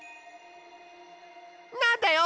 なんだよ！